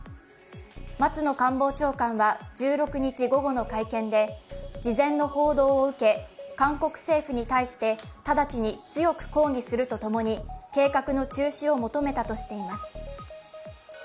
松野官房長官は１６日午後の会見で事前の報道を受け韓国政府に対して直ちに強く抗議すると共に計画の中止を求めたとしています。